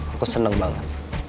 aku seneng banget